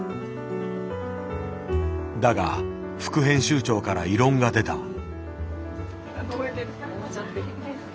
だが副編集長から異論が出た。